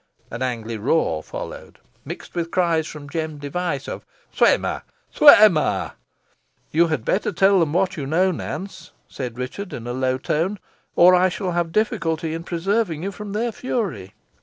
An angry roar followed, mixed with cries from Jem Device, of "swim her! swim her!" "You had better tell them what you know, Nance," said Richard, in a low tone, "or I shall have difficulty in preserving you from their fury."